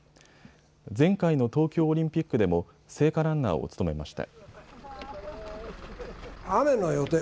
前回の東京オリンピックでも聖火ランナーを務めました。